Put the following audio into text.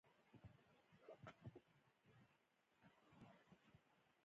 زه د خطا منل ځواک ګڼم.